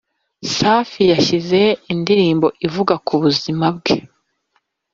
safi yashyize hanze indirimbo ivuga kubuzima bwe